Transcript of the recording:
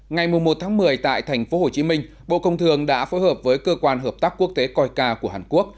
ngày một một mươi tại tp hcm bộ công thường đã phối hợp với cơ quan hợp tác quốc tế coica của hàn quốc